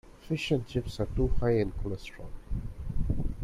Fish and chips are too high in cholesterol.